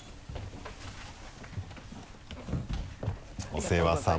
お世話さま。